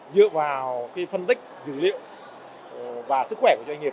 dựa vào phân tích dữ liệu và sức khỏe của doanh nghiệp